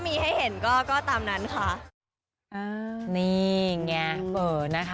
ก็จริงก็ดูตามโอกาสนะคะ